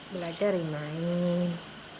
belajar dan main